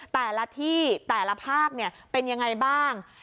แต่ละที่แต่ละภาคเป็นยังไงบ้าง